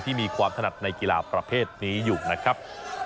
มีความถนัดในกีฬาประเภทนี้อยู่นะครับ